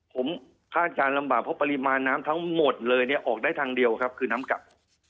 ผมคาดการณ์ลำบากเพราะปริมาณน้ำทั้งหมดเลยเนี่ยออกได้ทางเดียวครับคือน้ำกลับ